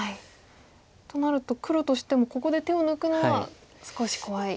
となると黒としてもここで手を抜くのは少し怖い。